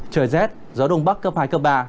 trời rét gió đông bắc cấp hai cấp ba